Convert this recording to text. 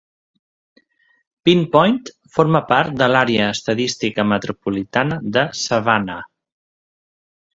Pin Point forma part de l'Àrea Estadística Metropolitana de Savannah.